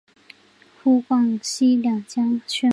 属于湖广行省广西两江道宣慰司。